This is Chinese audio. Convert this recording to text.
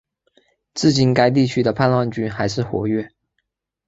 至今该地区的叛乱军还是活跃。